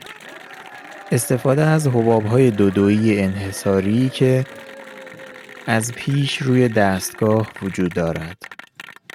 استفاده از حبابهای دودویی انحصاریای که از پیش روی دستگاه وجود دارد.